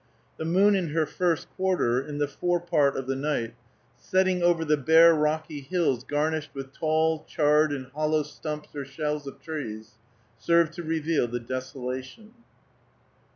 The moon in her first quarter, in the fore part of the night, setting over the bare rocky hills garnished with tall, charred, and hollow stumps or shells of trees, served to reveal the desolation.